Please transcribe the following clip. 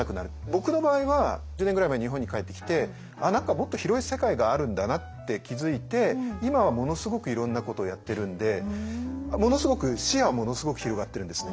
僕の場合は１０年ぐらい前に日本に帰ってきて何かもっと広い世界があるんだなって気付いて今はものすごくいろんなことをやってるんでものすごく視野はものすごく広がってるんです。